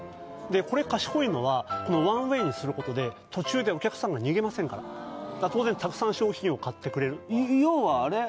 これ賢いのはワンウェイにすることで途中でお客さんが逃げませんから当然たくさん商品を買ってくれる要はあれ？